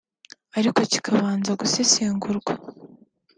ariko kikabanza gusesengurwa